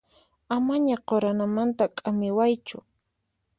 Amaña quranamanta k'amiwaychu.